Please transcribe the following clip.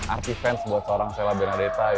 arti fans buat seorang sela benedetta ya